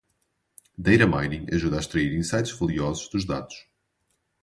Data Mining ajuda a extrair insights valiosos dos dados.